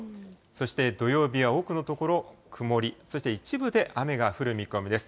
そして土曜日は多くの所、曇り、そして一部で雨が降る見込みです。